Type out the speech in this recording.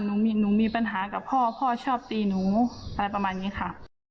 หนูมีปัญหากับพ่อพ่อชอบตีหนูอะไรประมาณนี้ค่ะ